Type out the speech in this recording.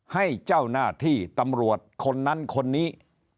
ให้เจ้าหน้าที่ตำรวจคนนั้นคนนี้